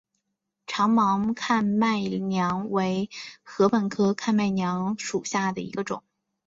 长芒看麦娘为禾本科看麦娘属下的一个种。